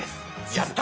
やった！